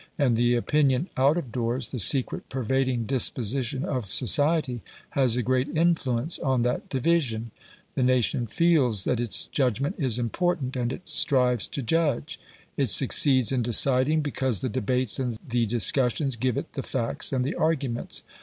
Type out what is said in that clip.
And the opinion out of doors, the secret pervading disposition of society, has a great influence on that division. The nation feels that its judgment is important, and it strives to judge. It succeeds in deciding because the debates and the discussions give it the facts and the arguments.